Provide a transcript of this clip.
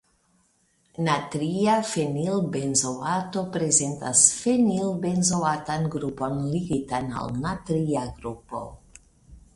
Natria fenilbenzoato prezentas fenilbenzoatan grupon ligitan al natria grupo.